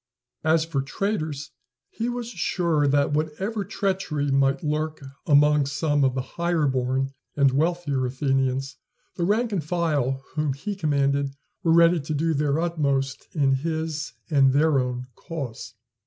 As for traitors, he was sure that, whatever treachery might lurk among some of the higher born and wealthier Athenians, the rank and file whom he commanded were ready to do their utmost in his and their own cause.